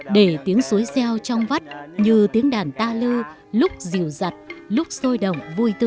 để tiếng suối gieo trong vắt như tiếng rừng